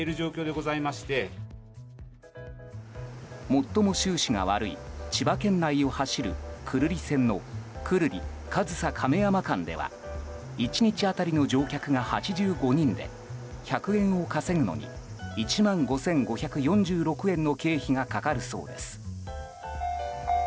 最も収支が悪い千葉県内を走る久留里線の久留里上総亀山間では１日当たりの乗客が８５人で１００円を稼ぐのに１万５５４６円の経費がかかるそうです。